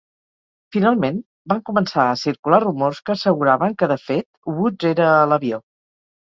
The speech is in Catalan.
Finalment, van començar a circular rumors que asseguraven que, de fet, Woods era a l'avió.